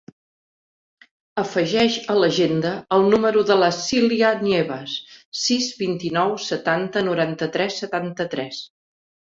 Afegeix a l'agenda el número de la Silya Nievas: sis, vint-i-nou, setanta, noranta-tres, setanta-tres.